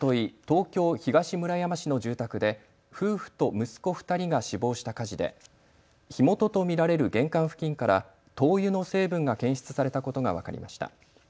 東京東村山市の住宅で夫婦と息子２人が死亡した火事で火元と見られる玄関付近から灯油の成分が検出されたことが分かりました。